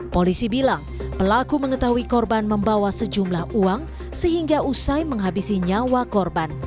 polisi bilang pelaku mengetahui korban membawa sejumlah uang sehingga usai menghabisi nyawa korban